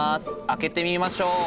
開けてみましょう。